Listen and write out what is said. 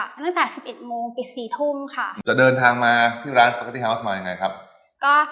ตั้งแต่สิบเอ็ดมูลจะบิดสี่ทุ่มค่ะแล้วเดินทางมาที่ร้านก็ไปที่เฮาส์มาไอ้ไงครับก็